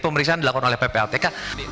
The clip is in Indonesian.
pemeriksaan dilakukan oleh pptk